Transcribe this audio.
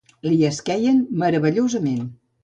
Li esqueien meravellosament.